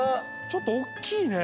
ちょっとおっきいね。